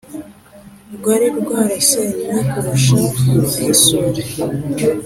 rwari rwarasenywe kurusha ah’isuri